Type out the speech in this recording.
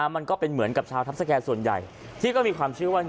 มันก็เป็นเหมือนกับชาวทัพสแก่ส่วนใหญ่ที่ก็มีความเชื่อว่า